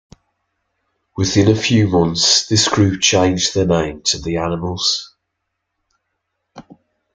Within a few months, this group changed their name to the Animals.